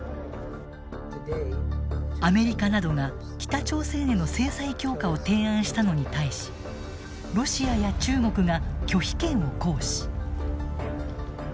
アメリカなどが北朝鮮への制裁強化を提案したのに対しロシアや中国が拒否権を行使。